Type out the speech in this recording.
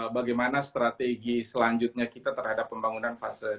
bagaimana strategi selanjutnya kita terhadap pembangunan fase dua ini